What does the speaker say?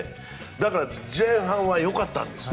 だから、前半は良かったんです。